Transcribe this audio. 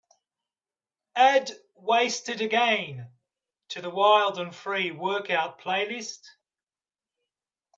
Add wastedagain to the wild & free workout playlist